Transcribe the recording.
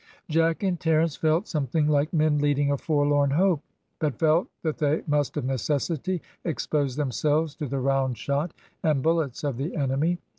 Jack and Terence felt something like men leading a forlorn hope, but felt that they must of necessity expose themselves to the round shot and bullets of the enemy.